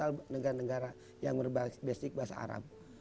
yang universal negara negara yang berbasis bahasa arab